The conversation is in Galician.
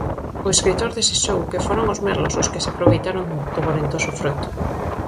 O escritor desexou que foran os merlos os que se aproveitaran do gorentoso froito.